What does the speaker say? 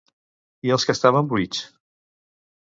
I els que estaven buits?